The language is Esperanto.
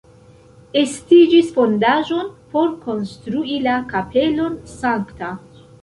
Estiĝis fondaĵon por konstrui la kapelon Sankta.